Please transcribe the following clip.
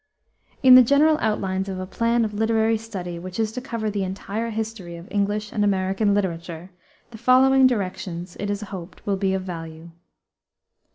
In the general outlines of a plan of literary study which is to cover the entire history of English and American literature, the following directions, it is hoped, will be of value.